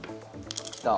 きた！